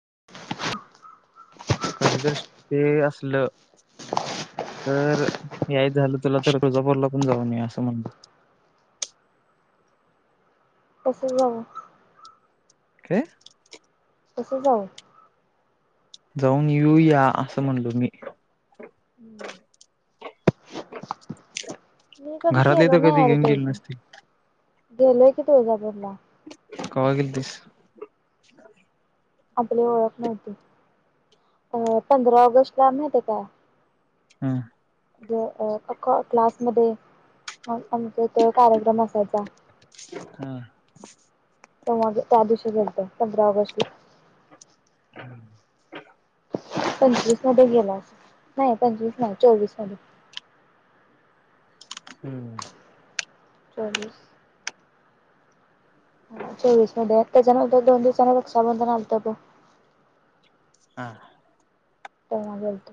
[unintelligible] कधी तर हे असलं. तर यायच झालं तुला तर, तुळजापूरला पण जाऊन ये असं म्हणलं. [unintelligible] कसं जावं? काय? कसं जाऊ? जाऊन येऊ या. असं म्हणलो मी. मी कधी घरातले गेलो तर नाही कधी घेऊन अरे. गेले नसतील. गेलोय की तुळजापूर ला. कवा गेलतीस? आपली ओळख नव्हती. अ -पंधरा ऑगस्टला माहतीय का? हम्म. दो अ अ क्लास मध्ये, आ आमच्या इथं कार्यक्रम असत हम. तेव्हा ग त्यादिवशी गेलते, पंधरा ऑगस्टला. पंचवीस मध्ये गेला अस. नाही पंचवीस नाही चोवीस मध्ये- हम्म. चौवीस, हा चोवीस मध्ये त्यांच्यानंतर दोन दिवसानं रक्षाबंधन आलतं बघ हा तेव्हा गेलतो.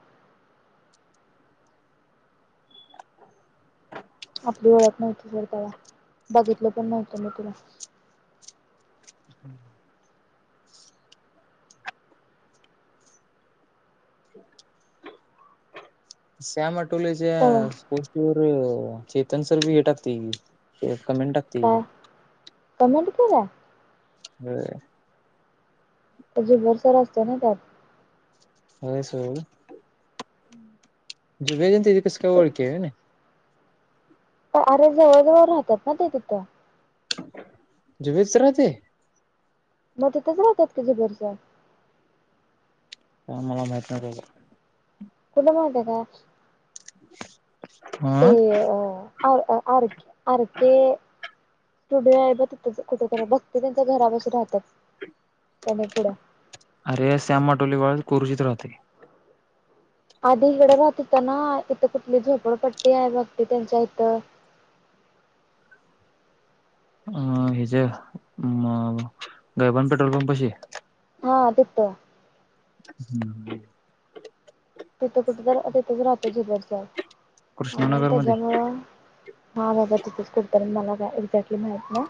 [unintelligible] आपली ओळख नव्हती तवा बघितलं पण नव्हतं मी तुला [unintelligible] [unintelligible] तेव्हा श्यामटोलेच्या पोष्टीवर चेतन सर बी हे टाकतयं की कमेंट टाकतं काय कि कमेंट केलीया. होय झुंबर सर असतोय ना त्यात होय सोड [unintelligible] जुब्याची आणि तेझी कशी काय ओळखी आहे कणी अरे जवळ जवळ राहतात ना ते तिथं जुबेदसर तिथं राहतंय मग तिथंच राहतात कि जुबेर सर काय मला माहित नाही बाबा कुठ माहिती आहे का हा आ आर आरके स्टुडिओ आहे ब तिथ कुठ तर भक्तीच्या घरापशी राहतात त्याने पुढं अरे श्याममटोली बाळ कोरोचीत राहतंय. आधी इकडं राहतं होता ना इथं कुठली झोपडपट्टी आहे बघ ती त्यांच्या इथं [unintelligible] अं हेज गयबान पेट्रोल पंपशी हा तिथं हम् तिथं कुठं तर तिथंच राहतो जुबेर सर आणि कृष्णानगरमध्ये, त्याच्यामुळं हा बाबा तिथेच कुठंतरी मला का एक्झॅक्टली माहित नाही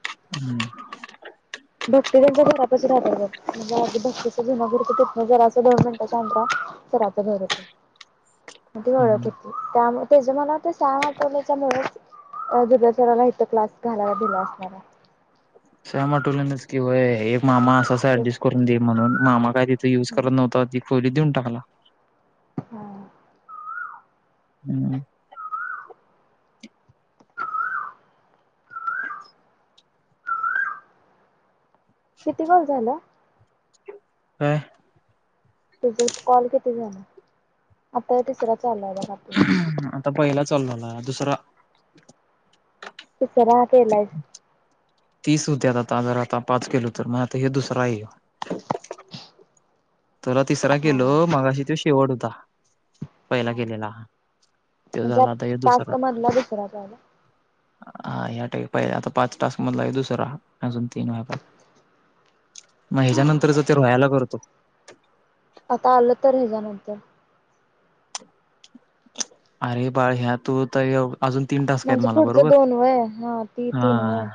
हम्म भक्तीच जुन घर होतं तिथनं जराचं दोन मिनटाच्या अंतरा सराचं घर होतं. मग ती ओळख होती त्या त्याची मला तर सहा वाटवण्याच्यामुळेचं अ दुद्याचारला इथं क्लास घाला दिला असणारा सया माटोलिनचं की व्हंय एक मामा असं अस तेच ऍडजस्ट करून दे म्हणून मामा काय तिथं युज करत नव्हता ती खोली देऊन टाकला हा. हम्म किती काॅल झालं. काय तुझ कॉल किती झालं आता हा तिसरा चालू आहे बघ आपला. आता पहिला चालू झालाय दुसरा तिसरा केलायिस तीस होत्यात आता जर आता पाच केलो तर मग आता हे दुसरां आहे ह्यो तुला तिसरा हा केेलो मगाशी तो शेवट होता. पहिला हा. केलेला तो म्हणजे झाला आता ह्यो दुसरा टास्क मधला दुसरा झाला हा या टाईप आहे आता पाच टाॅस मधला हा दुसरा अजून तीन व्हायला पाहिजे मग ह्याच्यानंतरच ते रोयाला करतो. आता आलं तर हेज नंतर अरे बाळ ह्या तू अजून तीन तासक आहेत म्हणजे मला पुढचं बरोबर दोन वय हा ती हा तीन वय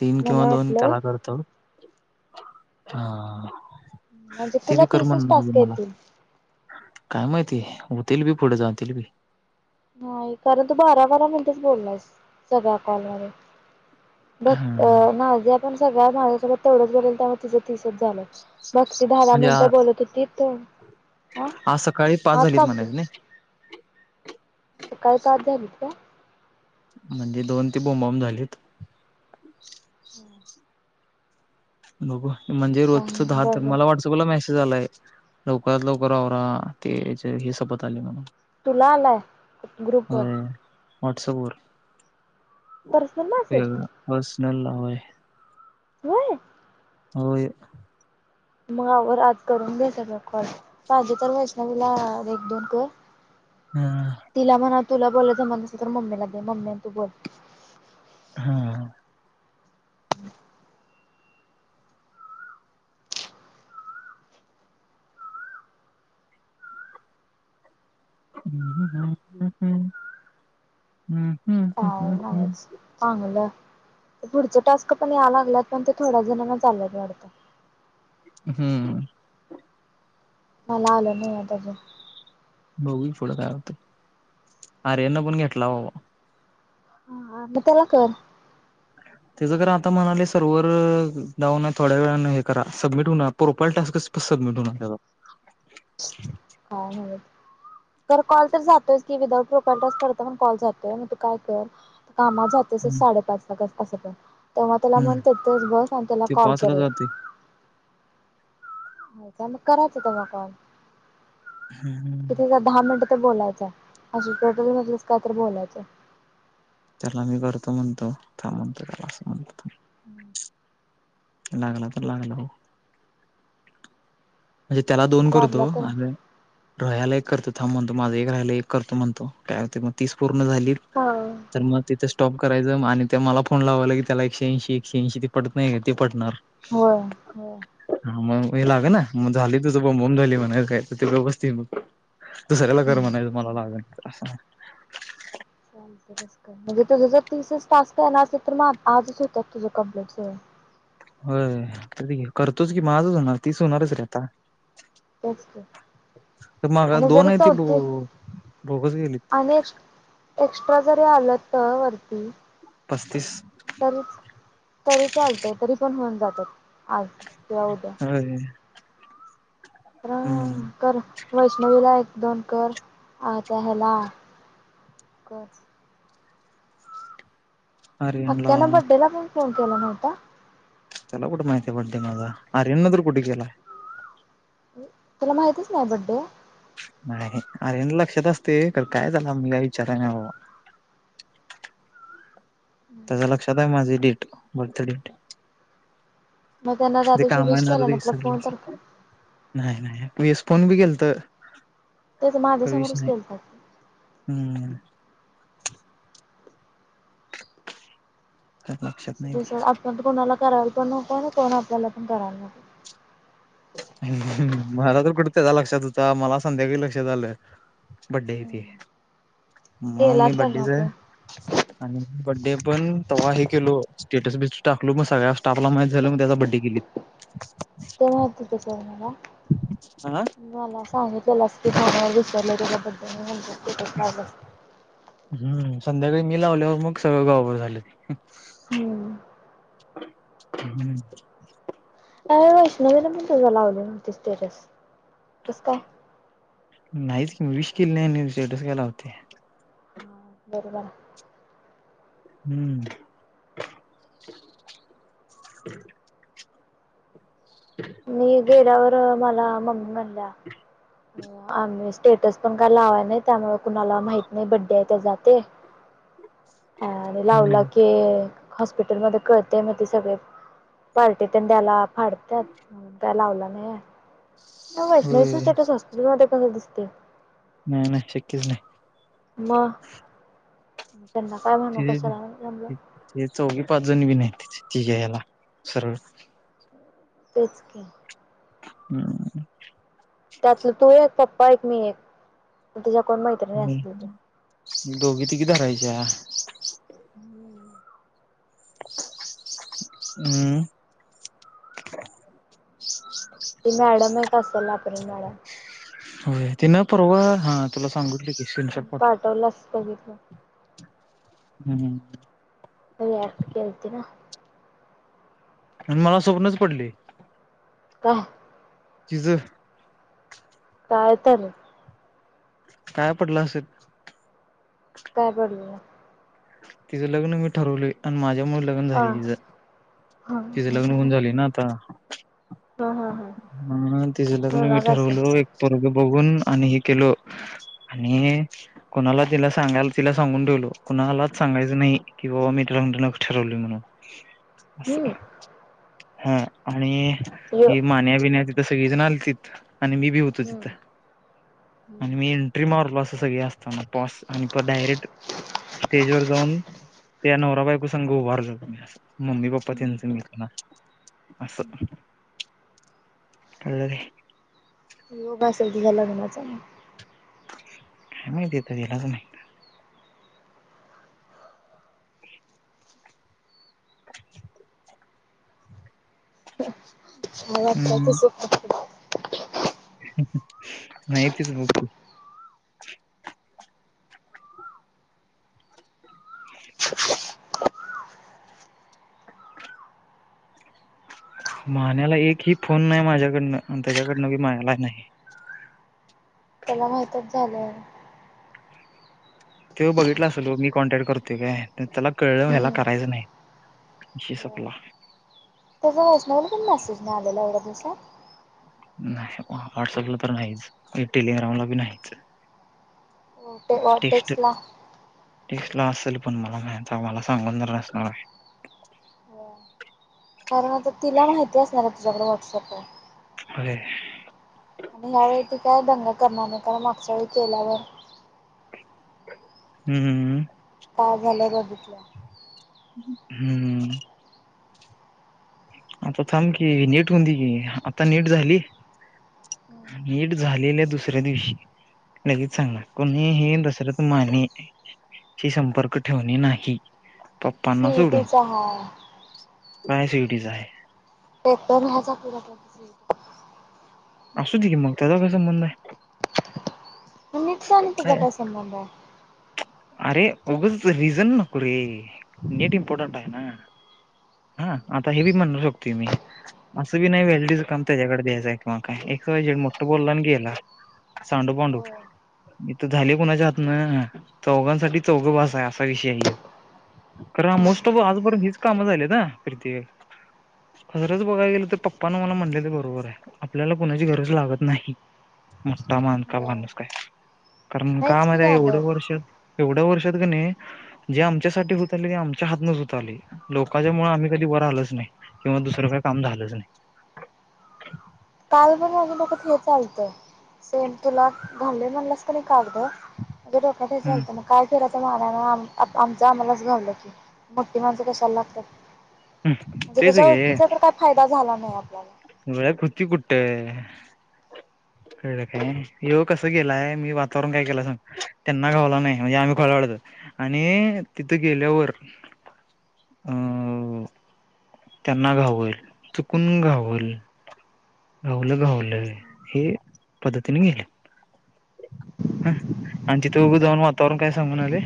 तीन किंवा मला दोन वाटलं त्याला करतो हा म्हणजे ते तुला बी कर तीसच म्हणत होते टास्क मला येतील काय माहितीय? होतील बी पुढे जाऊन, जातील बी. नाही कारण तू बारा बारा मिनिटेच बोललायस, सगळ्या कॉलमध्ये. बघ हं. अ माझ्या पण सगळ्या भावासोबत तेवढंच भरल त्यामुळे तुझं तसच झालं, मग ती दहा दहा म्हणजे आ मिनिटं बोलत होती त आज सकाळी आ झालीत [unintelligible] म्हणायचं नाही. सकाळी पाच झालीत काय? म्हणजे दोन ती बोंबाबोंब झालीत. बघू, म्हणजे रोजचं बर दहातर बर मला व्हॉट्सअपला मेसे झालंय लवकरात लवकर आवरा, ते हे [unintelligible] आले म्हणून. तुला आलाय ग्रुप वर. वॉट्सअपवर. Personal message? नला होय. होय? होय. मग आवर आज करून घे सगळं कॉल, पाहिजे तर वैष्णवीला एक दोन कर. हम्म. तिला म्हणा तुला बोलाय जमत नसलं तर मम्मीला दे मम्मी अन ती बोल. हा [unintelligible] आवाज चांगलं पुढचे टास्क पण याय लागल्यात, पण ते थोड्या जणांनाच आल्यात वाटतं. हम्म मला आलं नाही आहेत अजून. बघू पुढं काय होतंय, आर्यनला पण घेतला बाबा. हा मग त्याला कर. [unintelligible] त्याचं तर आता म्हणाले सर्व्हर डाऊन आहे थोड्यावेळानं हे करा, सबमिट होईना प्रोफाइल टास्क [unintelligible] [unintelligible] काय माहित? कर कॉल तर जातोयच. की विदाउट प्रोफाइल टास्क करता पण कॉल जातोय, मग तू काय कर आता कामाव जातोयसच हम्म साडेपाच ला कर. असं पण, तेव्हा त्याला हम्म. म्हणते तेच बस आणि त्याला ते कॉल कर पाचला एक. जातंय. होई काय? मग करायचं तेव्हा कॉल, किती दहा मिनटं बोलायचं, असं [unintelligible] काय तर बोलायचं. त्याला मी करतो म्हणतो, थांब म्हणतो त्याला असं म्हणतो थांब. हम्म लागला तर लागला ओ. म्हणजे त्याला दोन लागला करतो तर आणि रोहयाला एक करतो. थांब म्हणतो माझं एक राहिला एक करतो म्हणतो, काय मग तीस पूर्ण झाली, हा तर मग तिथे स्टॉप करायचं आणि मग त्यो मला फोन लावाला की त्याला एकशे ऐंशी एकशे ऐंशी ते पडत नाही का ते पडणार. होय होय [unintelligible] लागणा. ली तुझं बोंबाबोम झाली म्हणायचं, काय तर ती [unintelligible] दुसऱ्याला कर हम्म म्हणायचं मला लागना. असं म्हण. चालतंय तसं कर, म्हणजे तुझं जर तीसच टास्क झाले असेल तर मग आ आजच होतात तुझ कंप्लीट सगळं. होय, करतोच की म आजच होणार, तीस होणारच रे आता. तेच की. तर मगा, आणि दोन जरी आहे ती बो चौथी भोगस आणि गेलीत. एक्स एक्स्ट्रा जरी आलं तर वरती. पस्तीस तर तरी चालते, तरी पण होऊन जातात. आज किंवा उद्या. होय हम्म कर वैष्णवी ला एक दोन कर आ त्या ह्याला कर आर्यनला आत्यानं बड्डेला पण फोन केला नव्हता चला कुठे माहिती आहे बर्थडे आहे माझा आर्यननं तर कुठे केलाय तुला माहितच नाही बर्थडे आहे नाही अर्यनला लक्षात असते पण काय झालं मी काय विचारल नाही बाबा [unintelligible] त्याच्या लक्षात आहे माझी डेट बर्थ डेट मग त्यांना त्या दिवशी विश कामाच्या नादात केला ना तुला विसरला फोन तर असेल नाही नाही वीस फोन बी गेलतो तेच तरीच माझ्यासमोरच नाही केलता की. त्यात लक्षात असू नाही दे ते सोड आपण तर कोणाला करायला पण नको ना कोण आपल्याला पण करायला नको मला तर कुठे त्याच्या लक्षात होता मला संध्याकाळी लक्षात आलंय बड्डे आहे ते हम्म मग मी गेलाच तर ना बड्डेच तो आहे आणि बड्डे पण तेव्हा हे केलो स्टेटस बिटस टाकलो मग सगळ्या स्टाफला माहित झालं मग त्याचा बड्डे केली ते माहित होतं हा मला सांगितला झाला कि बर्थडे करता हम्म संध्याकाळी मी लावल्यावर मग सगळं गावाभर झाले हम्म हम् अरे वैष्णवीला पण तुझा लावली नव्हती स्टेटस कसं काय विष केलं नाही स्टेटस काय लावत्या हा बरोबर हम्म [unintelligible] मी गेल्यावर मला मम्मी म्हणल्या स्टेटस पण काय लावाय नाही त्यामुळे कुणाला माहित नाही बड्डे आहे त्याचा ते हा हम्म लावला की हॉस्पिटल मध्ये कळतय मग ते सगळे पार्टी तेन द्यायला फाडतात का लावलं नाही वैष्णवीच होय स्टेटस हॉस्पिटल मध्ये कसा दिसतोय नाही नाही शक्यच नाही मग त्यांना काय म्हणू ते कशाला म्हणलं ते चौघे पाचजन बी नाहीत तिथं तीघे याला सरळ तेच कीे हम्म त्यातलं तू एक पप्पा एक मी एक तिच्या कोण मैत्रिणी असतील त्या ह दोघी तिघी धरायच्या हम्म हम् ती मॅडम एक असेल की अपराज मॅडम होय तिनं परवा हा तुला सांगितलोय की तुला स्क्रिनशॉट पाठवलास बघितलं पाठवतो हम्म हम् [inaudible] आणि मला स्वप्नच पडली का तिचं काय तर, काय पडलं असेल. काय पडलं. तिचं लग्न मी ठरवले आणि माझ त्यामुळं लग्न हा झाली तिज, हा तिचं लग्न हा होऊन झाले ना आता. हा हा हम्म, तिजं लग्न बी होणार असेल ठरवलो एक पोरगं बघून आणि हे केलो आणि कुणाला तिला सांगाल तिला सांगून ठेवलो कुणाला सांगायच नाही, कि बाबा मी तुझं लग्न ठरवलंय म्हणून असं. हम्म हा आणि यो हे मान्या बिण्या तिथं सगळेजण आल्तीत. आणि मी बी होतो तिथं, हम्म आणि मी एंट्री मारलो अस सगळे असताना टॉस आणि डायरेक्ट स्टेज वर जाऊन, त्या नवरा बायकू संग उभा राहिलो होतो मी असं. मम्मी पप्पा त्यांचं मी होतो ना असं. कळलं काय? योग [unintelligible] झाला म्हणायचा काय माहितीे? आता इलाज नाय. [unintelligible] [unintelligible] मला वाटतंय हम्म तसंच असल. माहितीच नव्हतं. [unintelligible] मान्याला एक ही फोन नाही माझ्याकडनं आणि त्याच्याकडनं बी माला नाही. [inaudible] त्याला माहितंच झालंय. त्यो बघितलं असल ओ मी कॉन्टॅक्ट करतो काय, अन त्याला कळलं ह्याला हम्म करायचं नाही. विषय हो सपला. त्याचा वैष्णवीला पण मेसेज नाही आलेला एवढ्या दिवसात? नाही, वा व्हॉट्सअपला तर नाहीच आणि टेलिग्रामला बी नाहीच. ते अ टेक्सला. टेक्स्ट ला असेल पण मला मा, आम्हाला सांगून जर असणार. कारण आता तिला माहिती असणार आहे तुझ्याकडे व्हाट्सअप आहे. व्हय. आणि यावेळी ती काय दंगा करणार नाही, कारण मागच्या वेळी केल्यावर हम्म, काय झालंय बघितलं. हम्म आता थांब की नीट होऊन दी कि, आता नीट झाली नीट झालेल्या दुसऱ्या दिवशी लगेच सांगणार, कोणी हे अन दुसरं तू माने हे संपर्क ठेवणे नाही. स्विटीचा हा. नाही स्विटीचा आहे. [unintelligible] असू दे की मग, त्याचा काय संबंध आहे? म नीटचा आणि तिचा काय संबंध आहे? आरे उगचं रिजन नको रे, नेट इमपॉर्टंट आहे ना. हा आता हे बी म्हणू शकतोय मी, असं बी नाही व्हॅलिडीच काम, त्याच्याकडे द्यायचंय किंवा काय? एक्स वाय झेड, मोठ बोलला आणि गेला सांडू पांडू. होय इथ झालय कुणाच्या हातन? चौघांसाठी चौघ बास हाय असा विषय हाय ह्यो. कारण मोस्ट ऑफ आजपर्यंत हीच काम झालेत ना फिरतीवर खरच बघायला गेलं तर, पप्पाानं मला म्हटलय ते बरोबर हाय, आपल्याला कुणाची गरज लागत नाही. मोठा मान का होय बांधलास काय? कारण का नाहीच की माहितीए एवढं लागत. वर्ष एवढ्या वर्षात कनी, जे आमच्यासाठी होत आलय ते आमच्या हातूनच होत आलय, लोकांच्यामुळ आम्ही कधी वर आलंच नाही, किंवा दुसरं का काम झालंच नाही. ण नक हे चालतं सेम तुला घ म्हणस [unintelligible] हम्म कागोलतं मग काय घ [unintelligible] मग आम्हाला, आमचं आम्हालाच घावलं की मोठी माणसं कशाला लागतात. हम्म म्हणजे तेच त्याच्यावर गे तिचा तर काय फायदा झाला नाही आपल्याला. तेे [unintelligible] कळलं काय, येव कसं गेलाय मी वातावरण काय केलं सग त्यांना गावला नाही. म्हणजे आम्ही खळ! आणि, तिथं गेल्यावर अं त्यांना घावेल, चुकून घावेल! गावलं, गावलं, हे पद्धतीने गेलं. हा [unintelligible] आणि तिथे उग जाऊन वातावरण काय सांगून आले.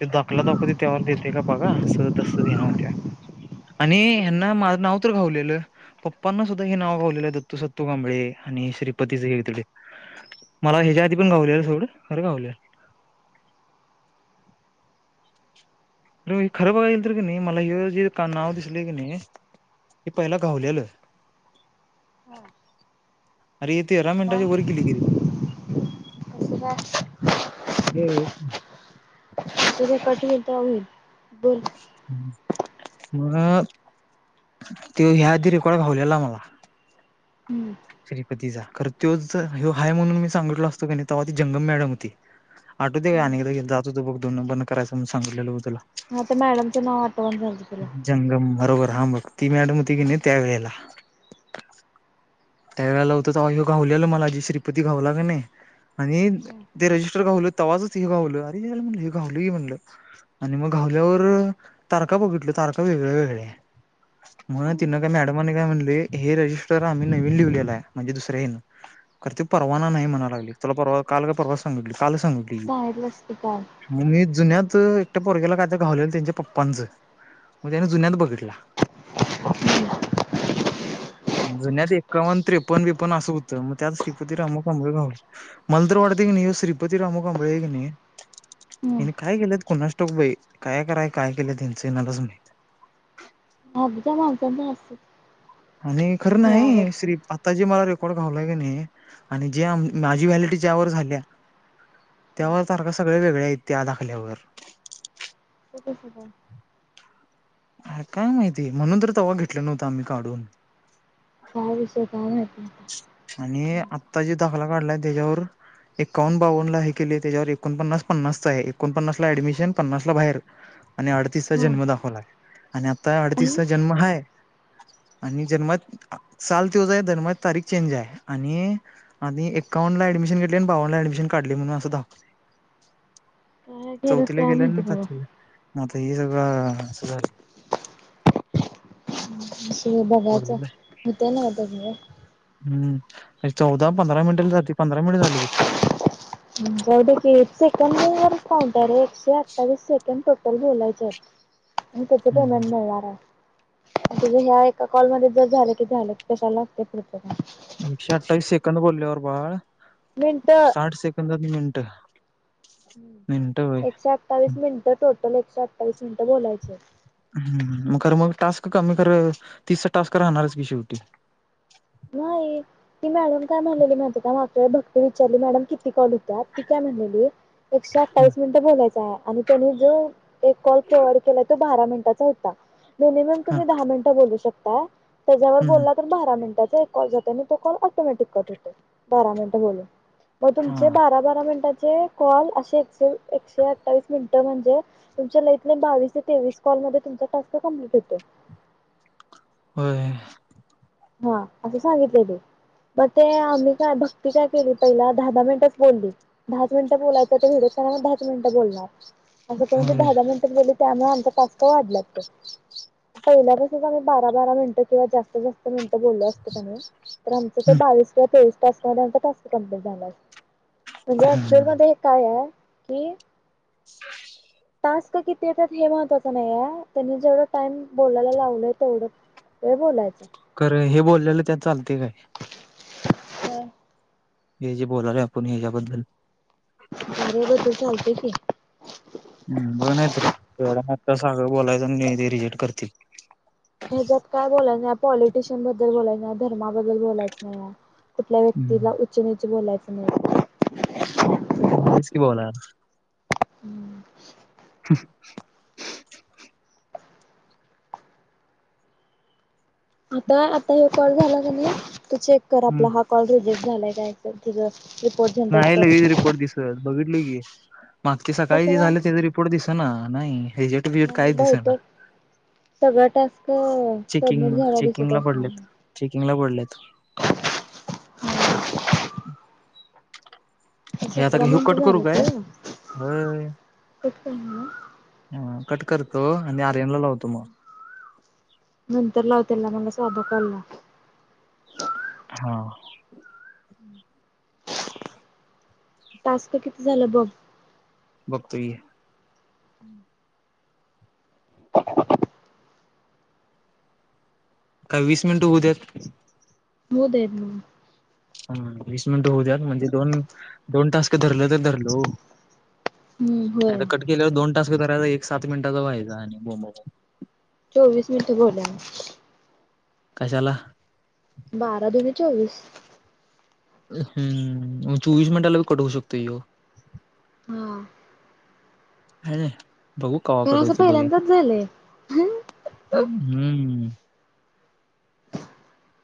ते दाखला दाखवते, तेव्हा देते का बघा असं, तसं, ह का [unintelligible] आणि ह्यांना माझं नाव तर गावलेलं, पप्पांना सुद्धा हे नाव गावलेलं दत्तू, सत्तू, कांबळे. आणि श्रीपतीच हे, मला ह्याच्या आधी पण गावले एवढं, अरे गावले अर खरं बघा येईल तर की नाही, मला हि ज नाव दिसले की नाही! हे पहिला घावलेलं आहे. हम [unintelligible] अरे ये तेरा मिनटाच्या वर गेले गिरी कसं काय हम् [unintelligible] तु कठीण तर होईल [unintelligible] हम्म [inaudible] म ते ह्या आधी रेकॉर्ड घावलेला मला. हम्म श्रीपतीचा खर त्योच ह्यो हाय, म्हणून मी सांगितल असत की नाय, तेव्हा ती जंगम मॅडम होती. आठू दे अ आणिकदा हम्म गे जातो तो बघोनं बंद करायंण सांगितलेलं तुला हा ते मॅडमचं नाव, आठवण झालत तुला जंगम बरोबर हा मग ती मॅडम होती की नाही, त्या वेळेला! त्या वेळेला होत, तेव्हा यो घावलेल मला, श्रीपती घाऊला की नाही. आणि हम्म ते रजिस्टर गावलं तवा, चच हे गावलं, अरे म्हण गावल म्हणलं आणि मग! आल्यावर तारका बघितल्या, तारका वेगळ्या वेगळ्या म हम्म तिनं काय मॅडमने काय म्हणले,, हे रजिस्टर आन नवीन लिवलेला आहे. म्हणजे दुसऱ्या ये ते परवाना नाही म्हणायला लागले, तुला काल का परवा सागितलं. काल सांगितलीी सांगितलंस की काल [unintelligible] जुन्यात, एकट्या पोरग्याला कायतरी घावलेलं, त्यांच्या पप्पांचं मग त्याने जुन्यात बघितला! हम्म जुन्या ते.. एकावन, त्रेपण, बीपण, अस होतं मग त्यात श्रीपती रामांा मला तर असं वाटतं श्रीपती ला मुगबळ हेगन [unintelligible] हिन हम्म काय केलेत कुणास ठाऊक बाई, काय कराय, काय केलेत, यांचं यांनाच माहीत. अगजा मागज अस [unintelligible] आणि खरं नाही, श्री आता जे मला कड खावला की नाही आणि जे माझी व्हॅलटीच्यावर झाल्या [unintelligible] हा त्यावर सारखं, सगळे, वेगळे, आहेत त्या दाखल्यावर. कस पण काय माहिती, म्हणून तर तवा घेतला नव्हता आम्ही काढून. काय दुसरं काय माहीत [unintelligible] आणि आत्ता जे दाखला काढलाय त्याच्यावर! एक्कावन, बावनला, हे केले त्याच्यावर एकोणपन्नास, पन्नासच, आहे एकोणपन्नासला ॲडमिशन, पन्नासला बाहेर. आणि अडतीस चा हा जन्म दाखवला आहे. आणि आता अडतीसचा जन्म हाय, आणि जन्मात साल त्योच आहे. जन्मात तारीख चेंज हाय आणि आधी एकावनला ऍडमिशन घेतलय आणि बावनला ऍडमिशन काढलय म्हणून आसं दाखवलय. काय केलं चौथीला काय गेल्या माहिती ना बाबा पाचवीला म आता हे सगळ अस झालं. असू दे बघायचं होतय ना, तोपर्यंत हम् चौदा पंधरा मिनिटाला जाती, पंधरा मिनिट झालं बघ. जाऊ दे की सेकंड वरच तरी बोलायचच आणि त्याच पेमेंट हम्म मिळणार हाय. तुझं ह्या एका कॉलमध्ये जर झालं कि झालं. कशाला लागतय पुढच कॉल. एकशे अठ्ठावीस सेकंद बोलल्यावर बाळ, मिनटं. साठ सेकंद आणि मिनिट. हम मिनिट होय एकशे अठ्ठावीस मिनिट, टोटल एकशे अठ्ठावीस मिनिटं बोलायचे. हा मग खरं मग टास्क कमी खरं, तिसचा टास्क राहणारच की शेवटी- नाही तर भक्ती विचारली, मॅडम किती कॉल होत्यात? ती काय म्हटलेलि, एकशे अठ्ठावीस मिनिट बोलायच ता आणि त्यानी जो एक कॉल फॉरवर्ड केला तो, बारा मिनटाचा होता. मिनिमम हा तुम्ही दहा मिनिटं बोलू शकताय, त्याच्यावर हम्म बोलला तर बारा मिनट एक कॉल जातोय आणि तो कॉल ऑटोमॅटिक कट होतो, बारा मिनिट बोलून मग हा तुमचे बारा बारा मिनटात म्हणजे कॉल असे एकशे अठावीस मिनटं म्हणजे तुमचं लयत लय बावीस ते तेवीस कॉल मध्ये तुमचा टास्क कम्प्लिट हुतोय. व्हय हां, असं सांगितलय ते. मग ते आम्ही काय भक्ती काय केलो पहिला. दहा दहा मिनिटच बोलली, दहाच मिनिटं बोलायच होत म्हणून. दहा, दहाच मिनट बोलणार. आता तेवढं होय दहा दहाच मिनिट बोलेल. त्यामुळे आमच टास्क वाढल्यात ते. पहिल्यापासूनच आम्ही बारा बारा मिनटं किंवा जास्त मिनटं बोललो असतो कनई तर आमचं ते बावीस किंवा तेवीस टास्क मध्ये आमचा टास्क कंप्लीट झाला असता. [unintelligible] ऍक्च्युअल मध्ये काय हाय? की- [unintelligible] टास्क किती येत्यात हे महत्त्वाचं नाही आय, त्यांनी जेवढा टाइम बोलायला लावलय तेवढं ते बोलायचं. खरं हे बोलल्यालं त्यात चालतय काय? [unintelligible] हे जे बोलालोय आपण हेज्याबद्दल? [unintelligible] चालतंय की. हं, बघ नाही तर, एवढा मोठा सागर बोलायचा आणि ते रिजेक्ट करतील. ह्याच्यात काय बोलायच नाही. पॉलिटिशियन बद्दल बोलायच नाही, धर्माबद्दल बोलायच नाही. कुठल्या हम्म, व्यक्तीला उच निच बोलायचं नाही. [unintelligible] [unintelligible] [unintelligible] आता, आता ह्यो कॉल झाला का नाही, तू चेक कर, आपला हा कॉल रिजेक्ट झालाय काय काय? नाही लगेच रिपोर्ट दिसत बघितलो की. मागचे सकाळी कसं जे काय झालं तेचा रिपोर्ट दिसना. नाही रिजेक्ट बीजेक्ट काहीच दिसना. सगळा टास्क सबमिट झाला दिसत असणार. तिंगला पडलं [unintelligible] आता सतरा ह्यो मिनिट कट करू झालं काय ते हम्म? कट करणार ना कट करतो आणि आत. नंतर लाव. त्याला मला साधा कॉल लाव. हा. हम्म [unintelligible] टास्कं किती झालं बघ? हुतय. हम्म [unintelligible] काय वीस मिनटं हुद्यात. होवू देत ना. हं. वीस मिनिटं होऊ द्यात म्हणजे दोन, दोन टास्क धरलं तर धरल ओ. हम्म होय नाहीतर कट केल्यावर दोन टास्क धरायचं, एक सात मिनिटाचा व्हायचा, आणि बोंबाबोंब. चोवीस मिनटं बोल [unintelligible] कशाला? बारा दूने चोवीस. हम् चोवीस मिनटाला बी कट होवू शकतोय ह्यो. हा. [unintelligible] बघू कवा कारण कट असं होईल ते बघेन. पहिल्यांदाच झालंय [unintelligible] हम्म.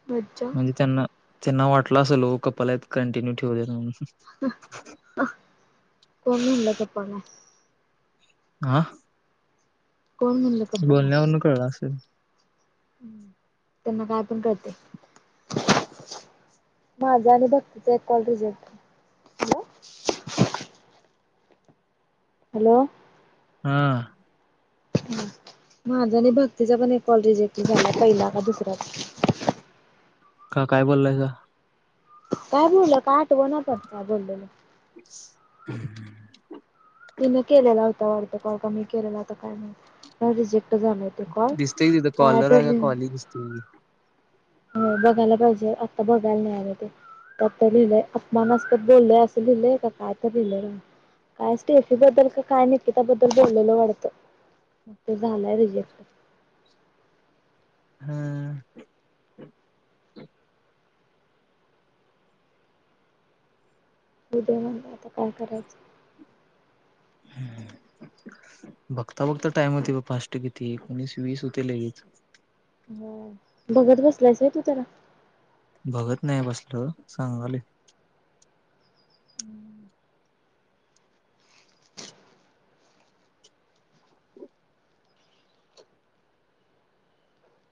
मज्जा म्हणजे त्यांना, त्यांना वाटलं असल ओ, कपलयत कंटिन्यू ठेवूयात म्हणून. [unintelligible] कोण मनल कपलय? आ कोण म्हणलं गप्पा नाय बोलण्यावरून कळलं असेल. त्यांना काय पण कळतय. [unintelligible] माझा आणि भक्तीचा एक कॉल रिजेक्ट [unintelligible] [inaudible] हॅलो हा. [unintelligible] माझा आणि भक्तीचा पण एक कॉल रिजेक्ट झालाय. पहिला का दुसराच. का काय बोललायसा? काय बोललं? काय आठवणा पण, काय बोललेलं. [unintelligible] तिने केलेला होता वाटतं कॉल, का मी केलेला होता काय माहीत रिजेक्ट झालाय तो कॉल. दिसतंय की तिथं काय कॉलर आहे तर का कॉली दिसतंय की [unintelligible] हो बघायला पाहिजे, आत्ता बघायला नाही आले ते. काय तर लिहिलंय, अपमानास्पद बोललंय असं, लिहिलंय का काय तर लिहिलंय. काय स्टेफी बद्दल का काय, निकिताबद्दल बोललेलं वाटतं. मग ते झालाय रिजेक्ट. हा [unintelligible] होउद्या म्हणंल, आता काय करायचं. हम्म [unintelligible] बघता- बघता टाइम होते बघ फास्ट किती, एकोणीस वीस होते लगेच. हो, बघत बसलायस व्हय तू त्याला? बघत नाही बसलो, सांगालोय. [unintelligible]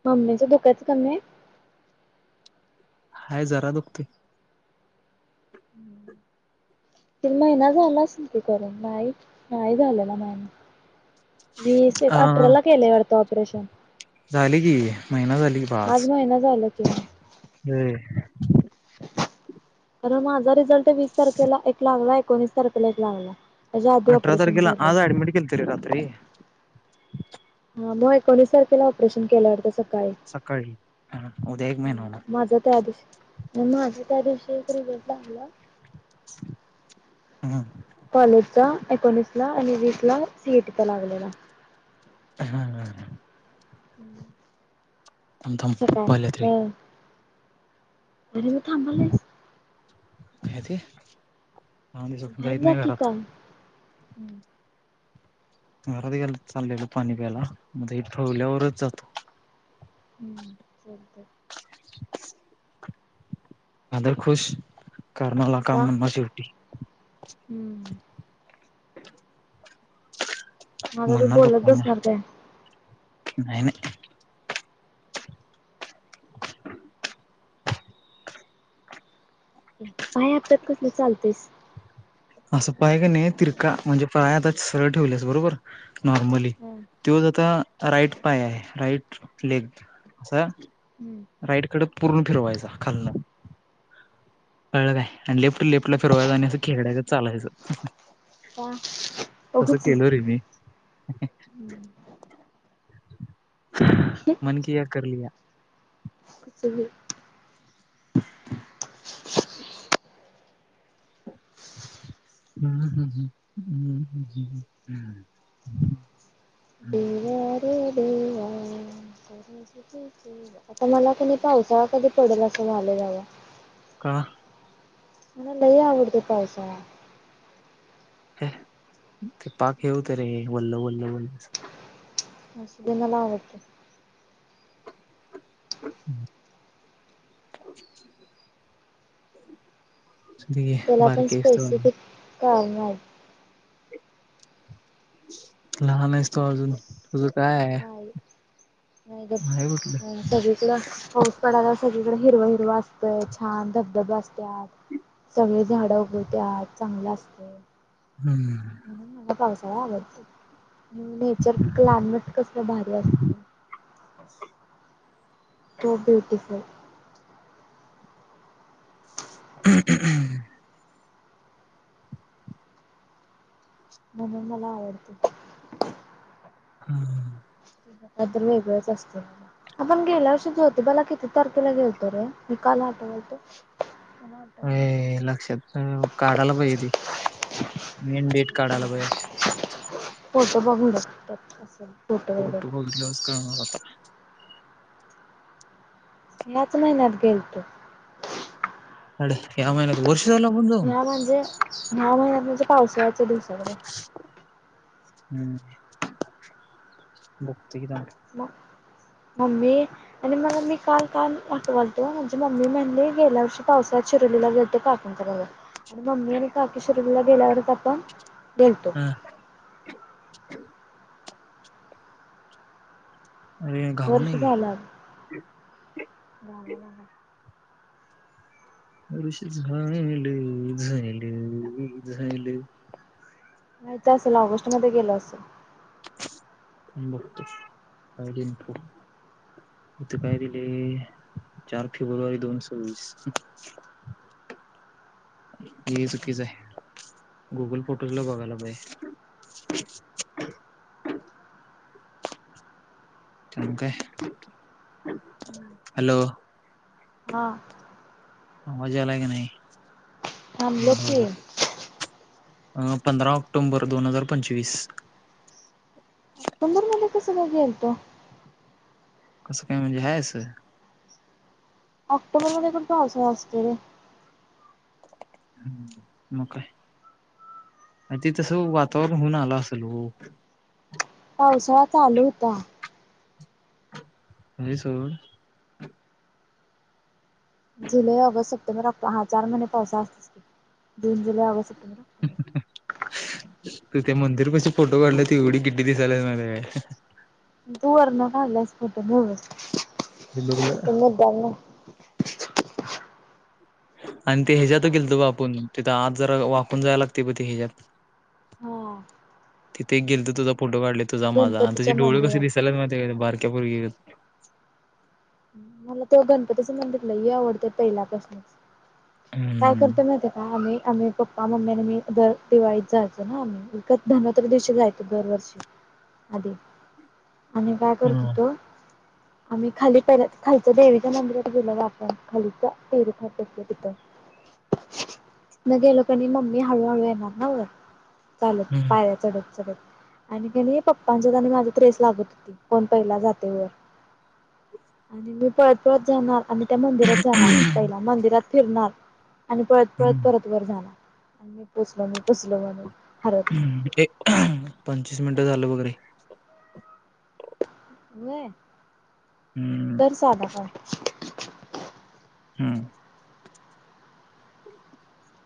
मम्मीच दुखायच कमीय? हाय जरा दुखतय. ते महिना झाला असल की करून? नाही - नाही झाले ना महिना. वीस येक अठरा ला केलय वाटतं ऑपरेशन. झाले की, महिना झाल की बा आज. [unintelligible] हम् [unintelligible] [unintelligible] तर माझा रिझल्ट वीस तारखेला एक लागला. एकोणीस तारखेला एक लागला त्याच्या आधी अठरा ऑपरेशन तारखेला, केलंय आज ऍडमिट केलतं रे रात्री. ह मग एकोणीस तारखेला ऑपरेशन केलं वाटतं. सका काळी, सकाळी हा उद्या एक महिना होणार हा माझं त्या दिवशी, मग माझं त्या दिवशी एक रिझल्ट लागला. [unintelligible] हा. कॉलेजचा एकोणीसला आणि वीसला सी. ई. टीचा लागलेला. हा. हा. हा. [unintelligible] थांब, थांब सकाळ पप्पा आल्याती. तरीे बी थांबलायस. काय ते. भाईर जाईत जा नाही की घरात पण. घरात गेल तर चाललेलो पाणी प्यायला. आता हे ठेवल्यावरच जातो. हम्म चालतंय. फादर खुश. करून आला काम म्हणणार शेवटी. हुं. माझा तू म्हणणार बोलत पप्पांना बसणार काय नाही, नाही. पाय आपटत कसलं चालतोयस? असं पाय क नाही तिरका. म्हणजे पाय आता सरळ ठेवल्यास बरोबर. नॉर्मली. हम्म, तोच आता राईट पाय आहे, राईट लेग असा. हम्म, राईडकडे पूर्ण फिरवायचा खालण. कळलं काय. आणि लेफ्ट-लेफ्टला फिरवायचा आणि असं खेकड्यागत चालायचं. का तसं उगचच. केलो रे मी. हम्म. मन किया कर लिया. कचबी [unintelligible] हुं हू हुं हुं हुं हू हू [unintelligible] देवा रे देवा. [inaudible] आता मला कणी पावसाळा कधी पडल. असं झालंय बाबा. का. मला लई आवडतोय पावसाळा. हे ते पाक हे हुतय रे. वल्ल-वल्ल-वल्ल. असू दे मला आवडतंय. हम्. दे बारकी हाईस तू अजून. काय नाय. लहान आहेस तो अजून तुझं काय. नाहीबग आहे कुठलं तर सगळीकड. पाऊस पडाल्यावर सगळीकडे हिरवं हिरवं असतंय. छान धबधब असत्यात. सगळी झाड उगवत्यात. चांगलं असतंय. हम्म. म्हणून मला पावसाळा आवडतोय. नेचर क्लायमेट कसलं भारी असतंय? So beautiful! [unintelligible] म्हणून मला आवडतय हां. कायतर वेगळंच असतय? आपण गेल्या वर्षी जोतिबाला किती तारखेला गेलतो रे? मी काल आठवालतो. अय लक्षात नाही, काढायला पाहिजे ते. मेन डेट काढायला पाहिजे. फोटो बघ, हुडक त्यात दिसल. फोटो बघितल्यावरच कळणार आता. याच महिन्यात गेल तो. हड या महिन्यात वर्ष झालं आपण जाऊन ह्या म्हणजे ह्या महिन्यात म्हणजे पावसाळ्याच्या दिवसात रे. हम्म जते क द मग मम्मी आणि मला मी काल काल आठवालतो म् म्हणली गेल्या वर्षी पावसाळत चिरोलीला घड काक करा म् आणि का गेल्यावर आपण गतो हा अरे घाबरू वर्ष नको झालं रष झाल झाल झाल माहत असेल ऑगस्ट मध्ये गेल असेल मुबत काप इथं काय दिले चार फेब्रुवारी दोनशे ववीस ही चुकीच आहे गुगल फोटोज ला बघायला पाजे [inaudible] च काय हॅलो हा मजा आला की नाही आांम लखी अं पंधरा ऑक्टोंबर दोन हजार पंचवीस ऑक्टुबूर मध्ये कस बघे येल तो कसं काही म्हणजे हस ऑक्टोबर मध्ये कोण पावसाळा असत रे ह् म काय आणि ते तस वातावरण होऊन आलं असेल हो पावसाळा चालू होता अ सो जुलै ऑगस्ट सप्टेंबर हा चार महिने पावसा असत जून जुलै ऑगस्ट सप्टेंबर ऑक्टोबर ह तू त्या मंदिर कसे फोटो काढला ते एवढी गिड्डी दिसालाच मला तूर न कालास फोट नस बिंदुकला आणि ते हज्यातच गेलतो ब आपण तिथं आज जरा वाकून जायला लागते ब ती हच्या्यात होम तिथे गेल तर तझा फोटो काढले तुझा माझा आणि तुझे गणपतीच्या डोळे कसे मंदिरात दिसायला कपर ग मला तो गणपतीचं मंधरला ह आवडत पहिल्यापासूनच काय हम्म. करते मात आणि आम्हीप्पा मम्मीने मी दर दिवाळीत जायचो ना इ धवत्र दिवशी जायचो दररोज अ आणि बॅगवर हम्म. देतो आम्ही खाली पहिला खालीच देवीच्या मंदिरात गेलंपर खालीच तेर फारसलं तिथ न गेलो पण मम्मी हळूहळू येणार ना वर चालत हम्म. पायऱ्या चढत चढत आणि पप्पांच्या आणि माझ त्रेस लागत होती कोण पहिला जाते व [inaudible] आणि मी पळत पळत जाणार आणि त्या मंदिरात जाणार पहिला मंदिरात फिरणार आणि पळत पळत हम्म. परत वर जाला मी पोचल मी पोचल म्ह हम्म पंचवीस मिनटं झालं वगैरे य हम्म. तर साधा काण हम्म